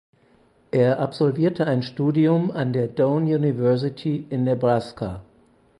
Er absolvierte ein Studium an der Doane University in Nebraska.